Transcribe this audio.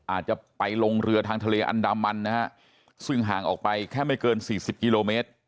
อาจจะไปลงเรือทางทะเลอันดามันนะฮะซึ่งห่างออกไปแค่ไม่เกินสี่สิบกิโลเมตร